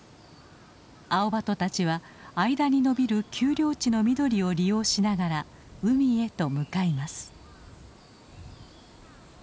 アオバトたちは間にのびる丘陵地の緑を利用しながら海へと向かいます。